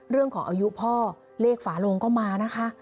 เรื่องของอายุพ่อเลขฝาโลงก็มานะคะ